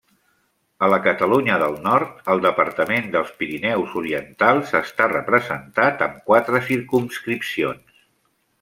A la Catalunya del Nord, el Departament dels Pirineus Orientals està representat amb quatre circumscripcions.